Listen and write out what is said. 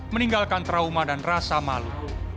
meninggalkan trauma dan rasa malu